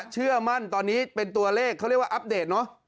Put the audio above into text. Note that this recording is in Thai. เชื่อมั่นตอนนี้เป็นตัวเลขเขาเรียกว่าอัปเดตเนอะ